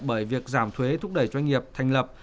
bởi việc giảm thuế thúc đẩy doanh nghiệp thành lập